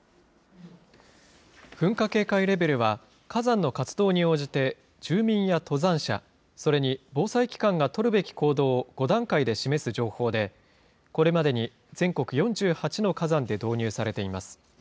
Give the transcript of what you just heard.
噴火警戒レベルは、火山の活動に応じて住民や登山者、それに防災機関が取るべき行動を５段階で示す情報で、これまでに全国４８の火山で導入されています。